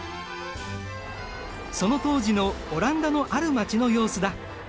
その当時のオランダのある街の様子だ。